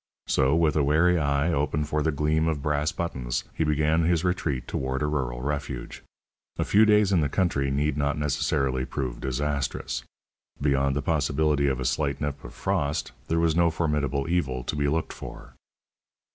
So, with a wary eye open for the gleam of brass buttons, he began his retreat toward a rural refuge. A few days in the country need not necessarily prove disastrous. Beyond the possibility of a slight nip of frost, there was no formidable evil to be looked for.